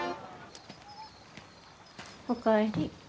お帰り。